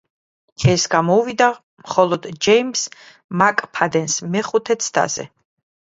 ეს გამოუვიდა მხოლოდ ჯეიმზ მაკფადენს, მეხუთე ცდაზე.